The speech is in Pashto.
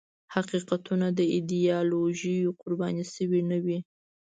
حقیقتونه د ایدیالوژیو قرباني شوي نه وي.